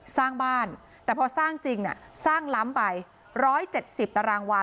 สร้างบ้านแต่พอสร้างจริงน่ะสร้างล้ำไปร้อยเจ็ดสิบตารางวา